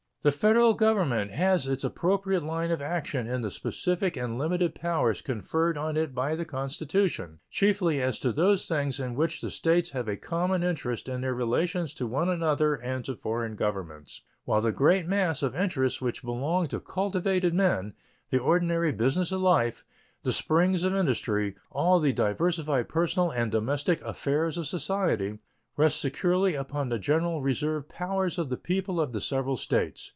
The Federal Government has its appropriate line of action in the specific and limited powers conferred on it by the Constitution, chiefly as to those things in which the States have a common interest in their relations to one another and to foreign governments, while the great mass of interests which belong to cultivated men the ordinary business of life, the springs of industry, all the diversified personal and domestic affairs of society rest securely upon the general reserved powers of the people of the several States.